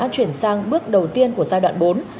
của giai đoạn bốn